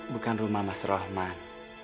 bukan rumah mas rohman